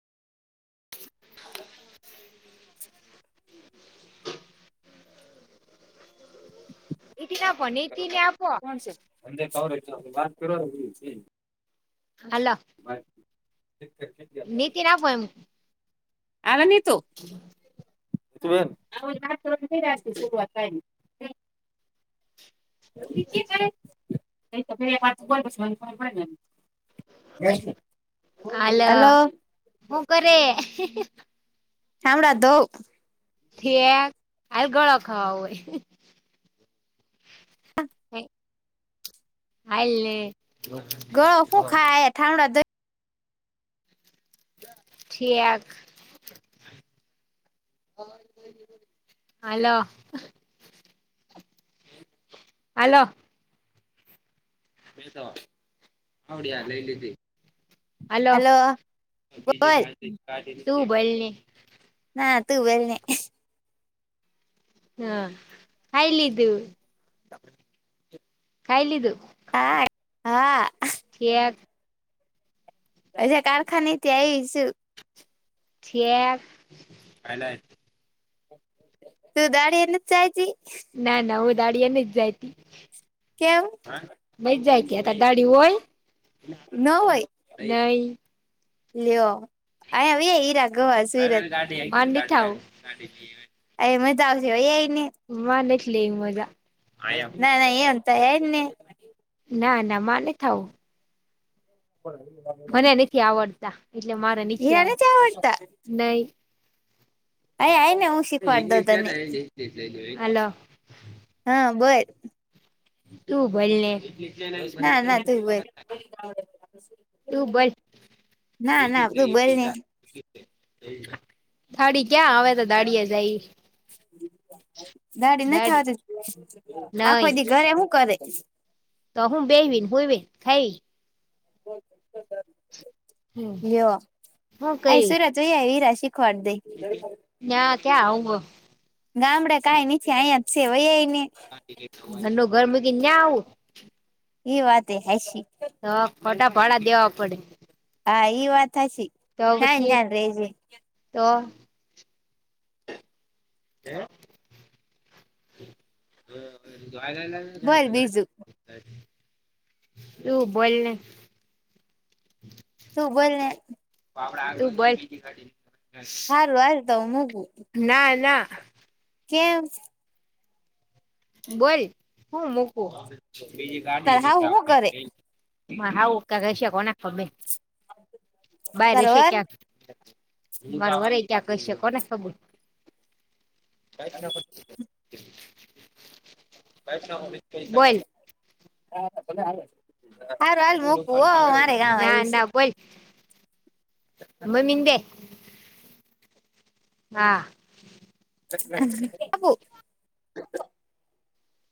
[inaudible] [unintelligible] વાત કરવા [unintelligible] હલો. [unintelligible] નીતિન આપો એમ. આલે નીતુ. [unintelligible] [inaudible] હાલો. હલો હું કરે? [unintelligible] ઠેક. હાલ ગોળો ખાવો હોય. [inaudible] હાયલ ને. ગોળો હું ખાયે, અહિયાં થામડા ધોઈ ઠીક. હાલો-હાલો. [unintelligible] હાલો. હલો બોલ તું બોયલ ને. ના તું બોઈલ ને. હા. ખાઈ લીધું? ખાઈ લીધું? હા હા [unintelligible] હજે કારખાને થી આઈ સું. ઠેક. તું [unintelligible] એ નથ જાઈતી? ના, ના હું દાડિયા નથ જાયતી. કેમ [unintelligible] જાય [unintelligible] દાળ્યું હોય? નહીં. લિયો. [unintelligible] [unintelligible] ખાઉં. અહે મજ આવશે વયેવ. [unintelligible] લે મજા. ના, ના [unintelligible] તો હે જ ને ના, ના માર નથ આવું. મને નથી આવડતા. એટલે મારે નીચે હીરા આવ, નથી આવડતા નહીં. [unintelligible] હું શીખવાડ દઉં તને. હાલો. હા બોલ. તું બોઈલને. ના, ના તું બોઈલ. તું બોલ ના, ના તું બોઈલને. થાળી ક્યાં આવે તો દાળીએ જાય. દાળી નથ દાડી આવતી. નઈ આખો દી ઘરે હું કરે? [inaudible] તો હું બેવીન, હૂવીન, ખાઈ. [inaudible] લ્યો. આઈ સુરત વઈ આઈ વિરાશ ના. ક્યા આવ ગામડે કાઈ નીચે અહીંયા જ છે વઈ આઈવ [unintelligible] ની ન્યાં આવું. ઈ વાત એય હાસી. તો ખોટા ભાડા દેવા પડે. હા ઈ વાત હાસી. તો ન્યાંન પછી ન્યાન રેજે. તો કે હા વાળી. બોલ બીજું [unintelligible] તું બોઇલને. તું બોઇલને. ઈ ગાડી. હારું હાઇલ. તો મૂક. ના-ના. કેમ. બોઇલ હું મુકું બીજી ગાડી તાર ની કે હાહુ હું આપડે કરે મેલશું. માં હાઉ ક્યાં હઈશે કોને ખબર. બાયર તારો હશે વર ક્યાંક. મારો વરય ક્યાં હઈશે. કોને ખબર. કઈ ના. હ. બોલ હા [inaudible] સારું હાલ મોકવું હો મારે ગાામ આવ્યું છે. અ મમ્મીં ને દે હા હવું